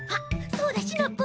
そうだシナプー！